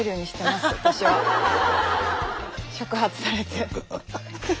触発されて。